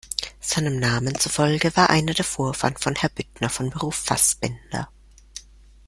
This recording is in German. Seinem Namen zufolge war einer der Vorfahren von Herrn Büttner von Beruf Fassbinder.